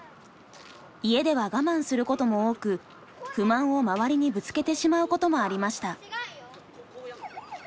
家では我慢することも多く不満を周りにぶつけてしまうこともありました。